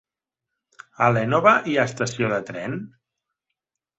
A l'Énova hi ha estació de tren?